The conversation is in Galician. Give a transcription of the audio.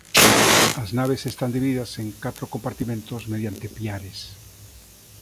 As naves están divididas en catro compartimentos mediante piares.